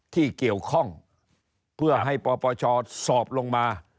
ที่เกี่ยวข้องเพื่อให้ปปชสอบลงมา